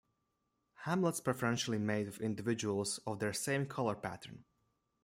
Hamlets preferentially mate with individuals of their same color pattern.